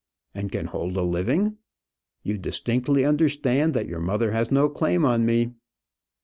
"And can hold a living? You distinctly understand that your mother has no claim on me."